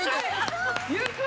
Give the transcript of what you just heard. ゆっくり！